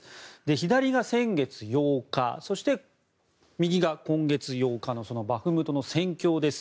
左が先月８日そして、右が今月８日のバフムトの戦況です。